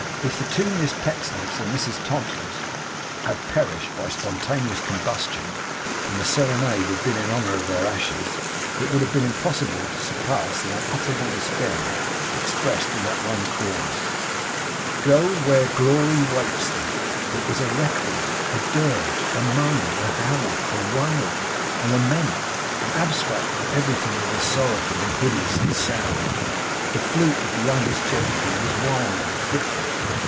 If the two Miss Pecksniffs and Mrs Todgers had perished by spontaneous combustion, and the serenade had been in honour of their ashes, it would have been impossible to surpass the unutterable despair expressed in that one chorus, 'Go where glory waits thee!' It was a requiem, a dirge, a moan, a howl, a wail, a lament, an abstract of everything that is sorrowful and hideous in sound. The flute of the youngest gentleman was wild and fitful.